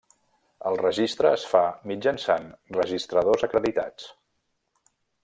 El registre es fa mitjançant registradors acreditats.